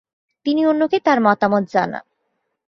তিনি অন্যকে তার মতামত জানান।